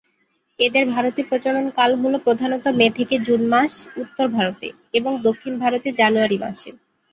এদের ভারতে প্রজনন কাল হল প্রধানত মে থেকে জুন মাস উত্তর ভারতে এবং দক্ষিণ ভারতে জানুয়ারি মাসে।